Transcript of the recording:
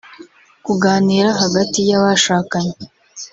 kuganira hagati y’abashakanye